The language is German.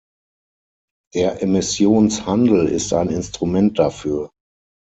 Der Emissionshandel ist ein Instrument dafür.